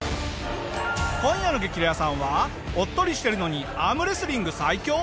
今夜の激レアさんはおっとりしているのにアームレスリング最強！？